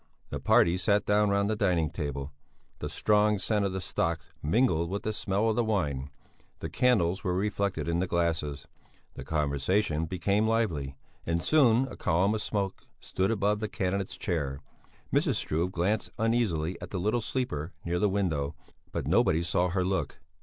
The party sat down round the dining table. The strong scent of the stocks mingled with the smell of the wine; the candles were reflected in the glasses, the conversation became lively, and soon a column of smoke stood above the candidate's chair. Mrs. Struve glanced uneasily at the little sleeper near the window, but nobody saw her look.